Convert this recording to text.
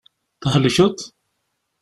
Thelkeḍ?